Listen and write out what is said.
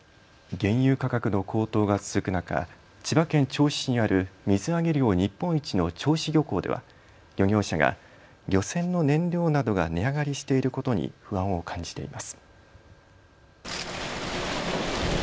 原油価格の高騰が続く中、千葉県銚子市にある水揚げ量日本一の銚子漁港では漁業者が漁船の燃料などが値上がりしていることに不安を感じています。